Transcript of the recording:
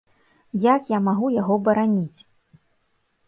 Як я магу яго бараніць?